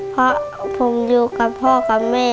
เพราะผมอยู่กับพ่อกับแม่